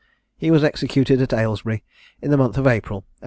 He was executed at Aylesbury in the month of April, 1800.